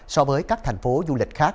so với các thành phố du lịch khác